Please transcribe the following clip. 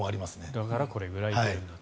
だからこれぐらい出るんだと。